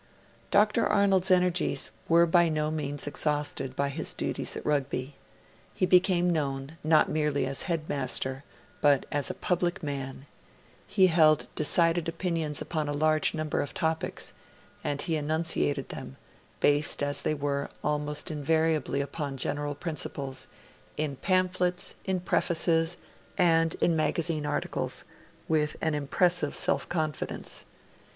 Dr. Arnold's energies were by no means exhausted by his duties at Rugby. He became known not merely as a headmaster, but as a public man. He held decided opinions upon a large number of topics; and he enunciated them based as they were almost invariably upon general principles in pamphlets, in prefaces, and in magazine articles, with an impressive self confidence.